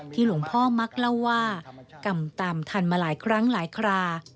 หลวงพ่อมักเล่าว่ากรรมตามทันมาหลายครั้งหลายครา